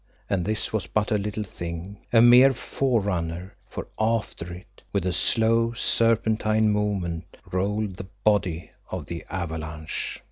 And this was but a little thing, a mere forerunner, for after it, with a slow, serpentine movement, rolled the body of the avalanche.